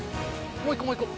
もう１個もう１個。